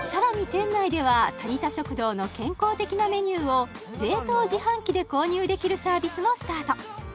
店内ではタニタ食堂の健康的なメニューを冷凍自販機で購入できるサービスもスタート